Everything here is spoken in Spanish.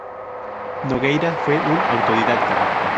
Nogueira fue un autodidacta.